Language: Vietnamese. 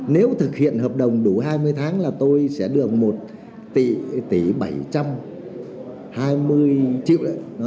nếu thực hiện hợp đồng đủ hai mươi tháng là tôi sẽ được một tỷ tỷ bảy trăm hai mươi triệu đấy